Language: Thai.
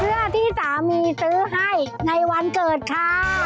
เพื่อที่สามีซื้อให้ในวันเกิดค่ะ